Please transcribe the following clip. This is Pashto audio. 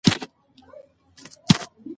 او لړ شوي لفظونه راته په خپله شاعرۍ کې